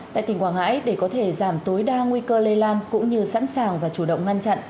tại tỉnh quảng ngãi để có thể giảm tối đa nguy cơ lây lan cũng như sẵn sàng và chủ động ngăn chặn